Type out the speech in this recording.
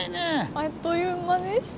あっという間でした。